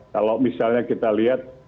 kalau misalnya kita lihat